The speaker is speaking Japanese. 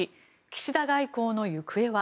岸田外交の行方は？